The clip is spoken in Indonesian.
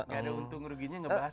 enggak ada untung ruginya membahas